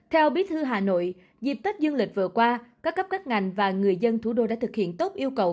theo bí thư hà nội dịp tết dương lịch vừa qua các cấp các ngành và người dân thủ đô đã thực hiện tốt yêu cầu